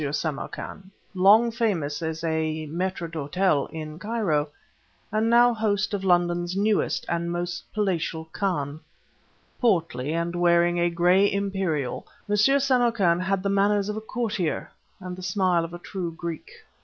Samarkan, long famous as a mâitre d' hôtel in Cairo, and now host of London's newest and most palatial khan. Portly, and wearing a gray imperial, M. Samarkan had the manners of a courtier, and the smile of a true Greek.